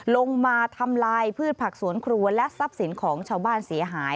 ลงมาทำลายพืชผักสวนครัวและทรัพย์สินของชาวบ้านเสียหาย